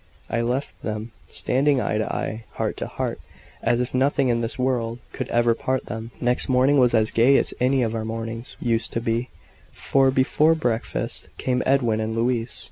I left them, standing eye to eye, heart to heart, as if nothing in this world could ever part them. Next morning was as gay as any of our mornings used to be, for, before breakfast, came Edwin and Louise.